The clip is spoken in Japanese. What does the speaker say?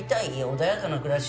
穏やかな暮らし？